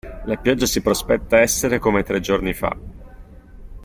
La pioggia si prospetta essere come tre giorni fa.